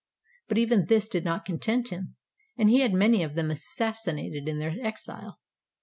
But even this did not con tent him, and he had many of them assassinated in their exile.